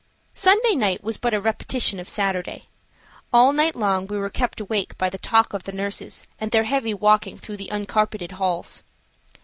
Sunday night was but a repetition of Saturday. All night long we were kept awake by the talk of the nurses and their heavy walking through the uncarpeted halls.